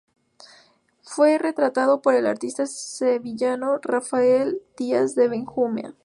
Fue retratado por el artista sevillano Rafael Díaz de Benjumea.